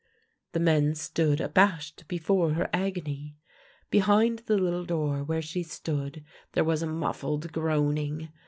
" The men stood abashed before her agony. Behind the little door where she stood there was a muffled groaning.